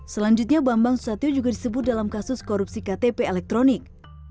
selanjutnya bambang susatyo juga disebut dalam kasus korupsi ktp elektronik